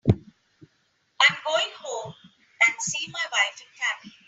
I'm going home and see my wife and family.